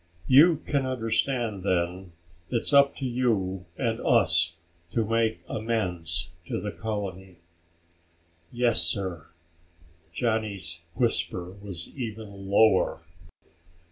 "You can understand, then, it's up to you and us to make amends to the colony." "Yes, sir." Johnny's whisper was even lower.